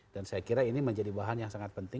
saya kira ini menjadi bahan yang sangat penting